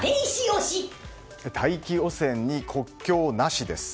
大気汚染に国境なしです。